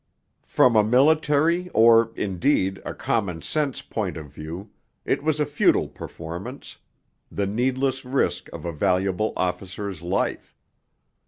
From a military or, indeed, a common sense point of view, it was a futile performance the needless risk of a valuable officer's life.